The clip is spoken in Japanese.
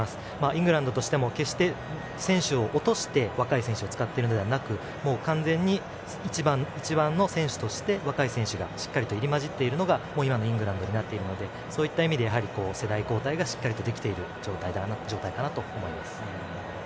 イングランドとしても決して選手を落として若い選手を使うのではなくもう完全に一番の選手として若い選手がしっかり入り混じっているのが今のイングランドになっているのでそういった意味で世代交代がしっかりできている状態かなと思います。